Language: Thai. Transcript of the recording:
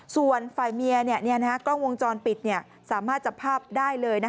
ส่วนฝ่ายเมียกล้องวงจรปิดสามารถจับภาพได้เลย